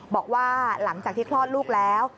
บอกว่าหลังจากที่คลอดลูกแล้ว